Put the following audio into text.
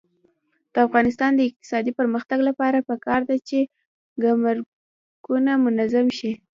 د افغانستان د اقتصادي پرمختګ لپاره پکار ده چې ګمرکونه منظم شي.